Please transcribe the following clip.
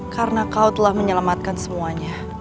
karena kau telah menyelamatkan semuanya